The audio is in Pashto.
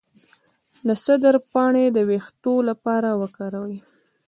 د سدر پاڼې د ویښتو لپاره وکاروئ